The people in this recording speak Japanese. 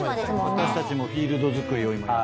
私たちもフィールドづくりを今。